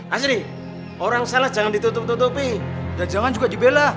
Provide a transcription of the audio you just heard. asri orang salah jangan ditutup tutupi dan jangan juga dibela